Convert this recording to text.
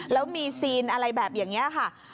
แล้วมีซีนอะไรแบบอย่างนี้ค่ะ